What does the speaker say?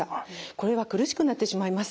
これは苦しくなってしまいます。